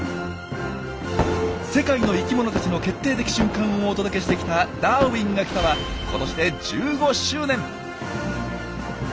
世界の生きものたちの決定的瞬間をお届けしてきた「ダーウィンが来た！」は今年で１５周年！